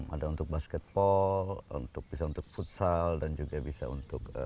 ada untuk basketball untuk bisa untuk futsal dan juga bisa untuk